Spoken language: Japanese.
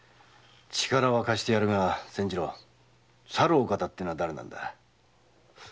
力は貸してやるが“さるお方”っていうのは誰なんだ？